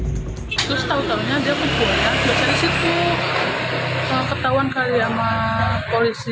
terus tau taunya dia kekuatan terus dari situ ketahuan kali sama polisi